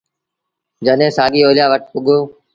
جڏهيݩ سآڳي اوليآ وٽ پُڳو